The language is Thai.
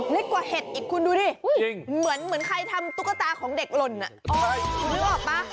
เล็กกว่าเห็ดอีกคุณดูดิเหมือนใครทำตุ๊กตาของเด็กหล่นคุณนึกออกป่ะ